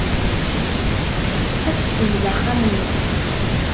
Ad tessenz axxam-nnes.